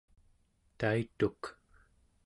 taituk